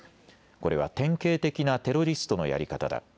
これは典型的なテロリストのやり方だ。